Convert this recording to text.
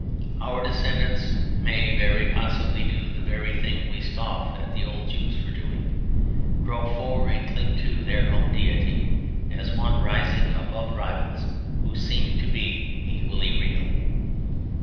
Our descendants may very possibly do the very thing we scoff at the old Jews for doing; grope for and cling to their own deity as one rising above rivals who seem to be equally real.